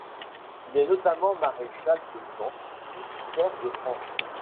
Il est notamment maréchal de camp puis pair de France.